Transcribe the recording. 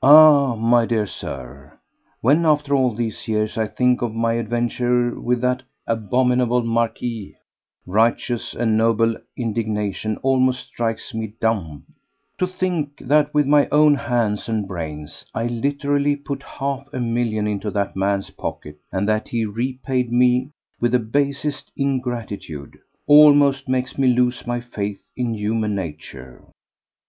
4. Ah, my dear Sir, when after all these years I think of my adventure with that abominable Marquis, righteous and noble indignation almost strikes me dumb. To think that with my own hands and brains I literally put half a million into that man's pocket, and that he repaid me with the basest ingratitude, almost makes me lose my faith in human nature.